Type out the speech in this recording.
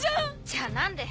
じゃあ何で。